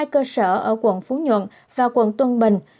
hai cơ sở ở quận phú nhuận và quận tân bình